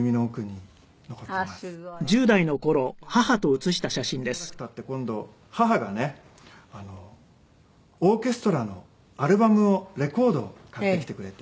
でねそれからしばらく経って今度母がねオーケストラのアルバムをレコードを買ってきてくれて。